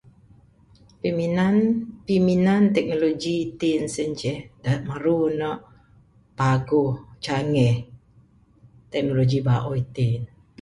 Piminan...piminan teknologi itin sien ceh da maru ne paguh... changgih... teknologi bauh itin.